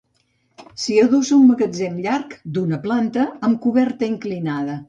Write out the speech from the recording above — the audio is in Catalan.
S'hi adossa un magatzem llarg, d’una planta, amb coberta inclinada.